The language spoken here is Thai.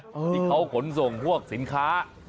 ที่เขาขนส่งพวกสินค้า